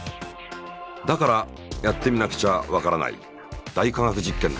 だからやってみなくちゃわからない「大科学実験」で。